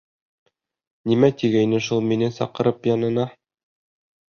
Нимә тигәйне шул мине саҡырып янына?